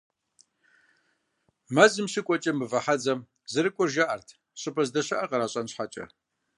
Мэзым щыкӀуэкӀэ, «Мывэ хьэдзэм» зэрыкӀуэр жаӀэрт, щӀыпӀэ здэщыӀэр къращӀэн щхьэкӀэ.